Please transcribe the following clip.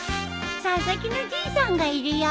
佐々木のじいさんがいるよ。